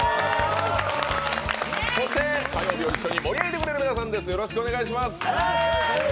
そして火曜日を一緒に盛り上げてくれる皆さんです。